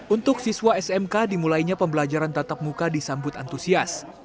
untuk siswa smk dimulainya pembelajaran tatap muka disambut antusias